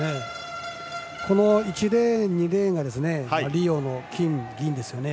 この１レーン、２レーンがリオの金、銀ですよね。